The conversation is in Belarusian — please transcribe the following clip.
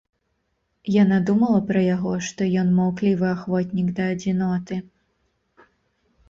Яна думала пра яго, што ён маўклівы ахвотнік да адзіноты.